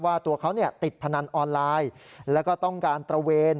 ตัวเขาติดพนันออนไลน์แล้วก็ต้องการตระเวน